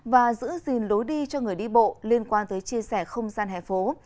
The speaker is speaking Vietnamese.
và giữ gìn lối đi cho người đi bộ liên quan tới chia sẻ không gian hẻ phố